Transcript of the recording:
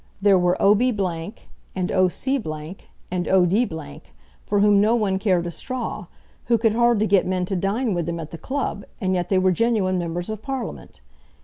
There were O'B and O'C and O'D , for whom no one cared a straw, who could hardly get men to dine with them at the club, and yet they were genuine members of Parliament.